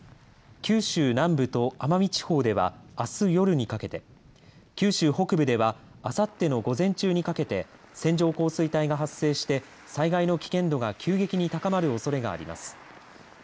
九州南部と奄美地方ではあす夜にかけて九州北部ではあさっての午前中にかけて線状降水帯が発生して災害の危険度が急激に高まるおそれがあります。